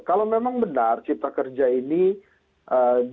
kalau memang benar cipta kerja ini dibuat dengan detail